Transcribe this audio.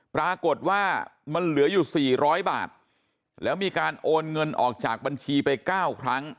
ปรากฏว่ามันเหลืออยู่๔๐๐บาทแล้วมีการโอนเงินออกจากบัญชีไป๙ครั้ง